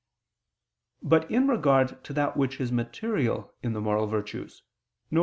But in regard to that which is material in the moral virtues, viz.